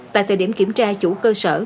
tại thời điểm kiểm tra chủ cơ sở